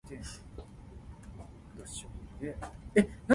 乞食趕廟公